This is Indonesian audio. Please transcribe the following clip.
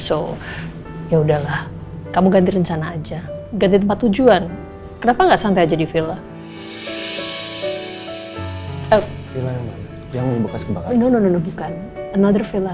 so ya udahlah kamu ganti rencana aja ganti tempat tujuan kenapa nggak santai aja di villa